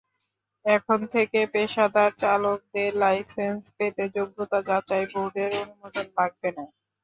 এখন থেকে পেশাদার চালকদের লাইসেন্স পেতে যোগ্যতা যাচাই বোর্ডের অনুমোদন লাগবে না।